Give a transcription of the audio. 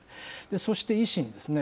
そして、維新ですね。